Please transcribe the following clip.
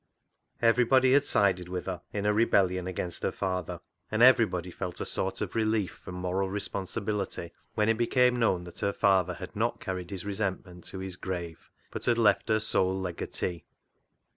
Everybody had sided with her in her rebellion against her father, and everybody felt a sort of relief from moral responsibility when it became known that her father had not carried his resentment to his grave, but had left her sole legatee.